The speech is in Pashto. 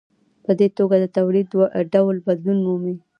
په دې توګه د تولید ډول بدلون مومي.